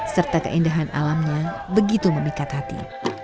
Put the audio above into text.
serta keindahan alamnya begitu memikat hati